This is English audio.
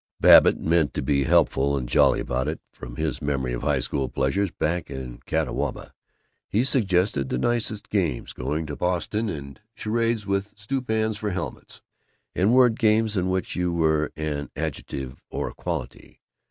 Babbitt meant to be helpful and jolly about it. From his memory of high school pleasures back in Catawba he suggested the nicest games: Going to Boston, and charades with stewpans for helmets, and word games in which you were an Adjective or a Quality.